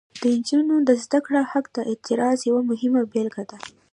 د نجونو د زده کړې حق د اعتراض یوه مهمه بیلګه ده.